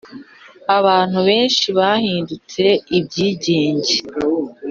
Abantu benshi bahindutse ibyigenge